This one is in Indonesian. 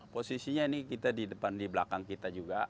posisinya ini kita di depan di belakang kita juga